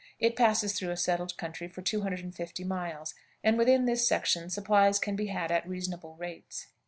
It passes through a settled country for 250 miles, and within this section supplies can be had at reasonable rates.